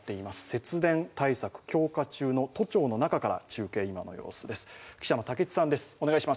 節電対策強化中の都庁の中から中継、今の様子です。